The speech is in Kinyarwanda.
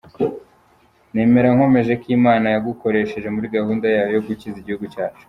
Nemera nkomeje ko Imana yagukoresheje muri gahunda yayo yo gukiza igihugu cyacu.